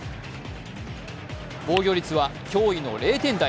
防御率は驚異の０点台。